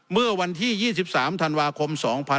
เมื่อวันที่๒๓ธันวาคม๒๕๖๒